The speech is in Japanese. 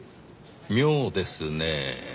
妙ですねぇ。